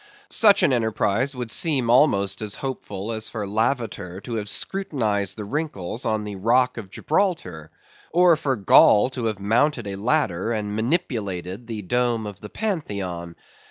Such an enterprise would seem almost as hopeful as for Lavater to have scrutinized the wrinkles on the Rock of Gibraltar, or for Gall to have mounted a ladder and manipulated the Dome of the Pantheon.